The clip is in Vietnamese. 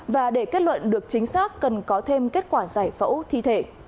và để kết luận được chính xác cần có thêm kết quả giải phẫu thi thể